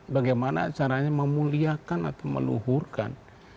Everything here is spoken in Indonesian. bagaimana caranya memuliakan atau meluhurkan